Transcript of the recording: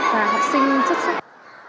và học sinh chất sắc